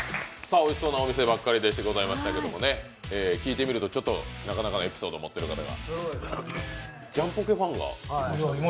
おいしそうなお店ばっかりでしたけども聞いてみると、ちょっとなかなかのエピソードを持っている方も。